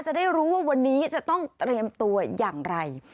จะได้รู้ว่าวันนี้จะต้องเตรียมตัวอย่างไร